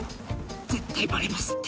絶対バレますって。